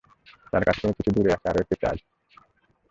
তার থেকে কিছু দূরে আছে আরও একটি চার্জ।